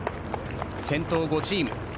先頭５チーム。